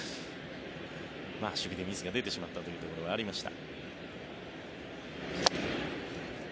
守備でミスが出てしまったというところがありました。